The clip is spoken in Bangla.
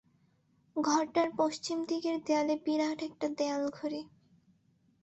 ঘরটার পশ্চিমদিকের দেয়ালে বিরাট একটা দেয়ালঘড়ি।